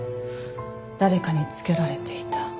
誰かにつけられていた。